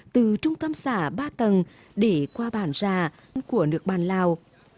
từ trung tâm xã ba tầng để qua bản rà của nước bàn lào